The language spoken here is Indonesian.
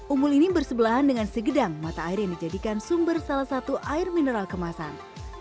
umbul ini bersebelahan dengan segedang mata air yang dijadikan sumber salah satu air mineral kemasan